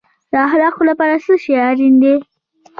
د اخلاقو لپاره څه شی اړین دی؟